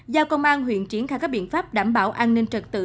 giao công an huyện triển khai các biện pháp đảm bảo an ninh trật tự